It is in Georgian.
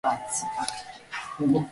არჩევენ შიგნითა, შუა და გარეთა ყურს.